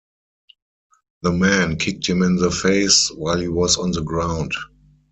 The man kicked him in the face while he was on the ground.